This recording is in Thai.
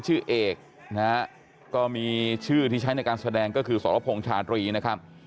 ชื่อเอกนะฮะก็มีชื่อที่ใช้ในการแสดงก็คือสรพงษ์ชาตรีนะครับ